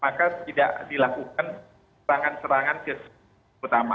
maka tidak dilakukan serangan serangan ke utama